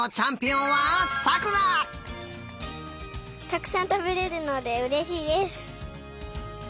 たくさんたべれるのでうれしいです！